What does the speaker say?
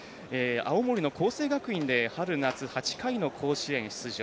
青森の光星学院の春夏８回の甲子園出場。